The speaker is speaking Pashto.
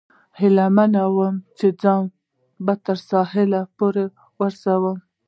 خو هیله من ووم، چې ځان به تر ساحل پورې ورسوم.